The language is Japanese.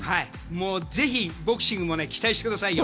ぜひボクシングも期待してくださいよ。